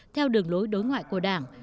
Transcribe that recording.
theo đường lối đối ngoại của đảng